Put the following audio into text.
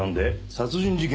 殺人事件？